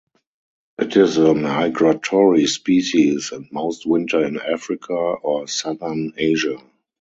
It is a migratory species and most winter in Africa or southern Asia.